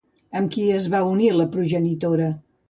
Amb qui es va unir, la progenitora?